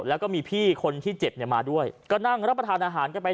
แล้วก็มีพี่คนที่เจ็บเนี่ยมาด้วยก็นั่งรับประทานอาหารกันไป